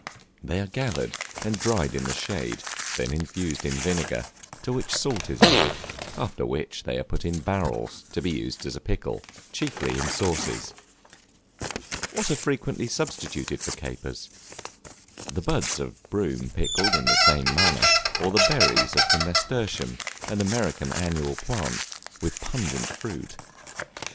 They are gathered, and dried in the shade; then infused in vinegar, to which salt is added; after which they are put in barrels, to be used as a pickle, chiefly in sauces. What are frequently substituted for Capers? The buds of broom pickled in the same manner, or the berries of the nasturtium, an American annual plant, with pungent fruit.